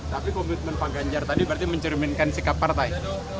tapi komitmen pak ganjar tadi berarti mencerminkan sikap partai